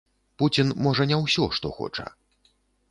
Пуцін можа не ўсё, што хоча.